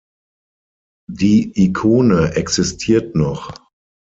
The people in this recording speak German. Die Ikone existiert noch.